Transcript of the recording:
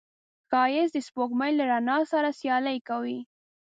ښایست د سپوږمۍ له رڼا سره سیالي کوي